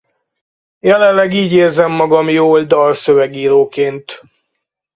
Jelenleg így érzem magam jól dalszövegíróként.